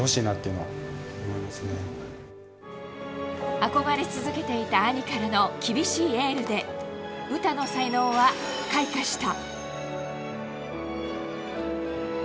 憧れ続けていた兄からの厳しいエールで詩の才能は開花した。